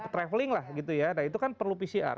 traveling itu kan perlu pcr